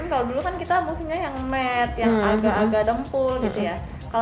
kalau dulu kita musimnya yang matte agak agak dempul